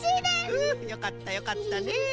うんよかったよかったね。